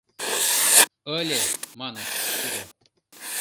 «Ыле, — маныт, — тудо